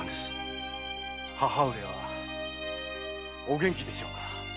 母上はお元気でしょうか？